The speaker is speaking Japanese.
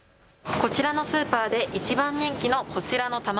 このスーパーでいちばん人気のこちらの卵。